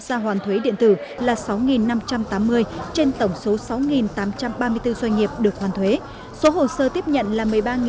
gia hoàn thuế điện tử là sáu năm trăm tám mươi trên tổng số sáu tám trăm ba mươi bốn doanh nghiệp được hoàn thuế số hồ sơ tiếp nhận là một mươi ba